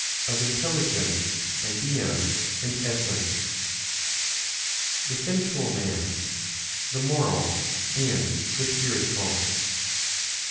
Of Intelligence, Ideas and Essence. THE SENSUAL MAN, THE MORAL, AND THE SPIRITUAL.